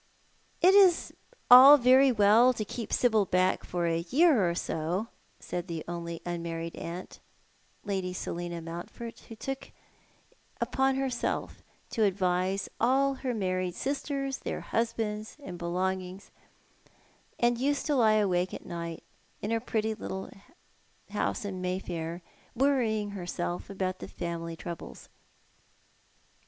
"It is all very well to keep Sibyl back for a year or so," said the only unmarried aunt, Lady Selina Mountford, who took upon herself to advise all her married sisters, their husbands, and belongings, and used to lie awake o' nights in her pretty little house in May Fair, worrying herself about the family troubles.